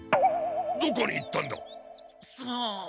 どこに行ったんだ？さあ？